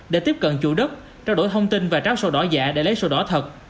để tiếp cận chủ đất trao đổi thông tin và tráo đỏ giả để lấy sổ đỏ thật